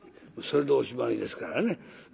それでおしまいですからね。